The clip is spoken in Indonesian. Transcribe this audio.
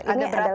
ini adalah real